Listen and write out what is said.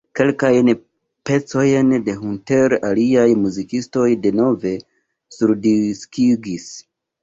Kelkajn pecojn de Hunter aliaj muzikistoj denove surdiskigis.